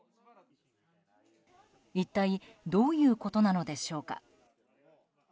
一体どういうことなのでしょうか。